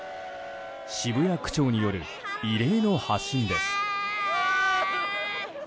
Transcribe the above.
渋谷区長による異例の発信です。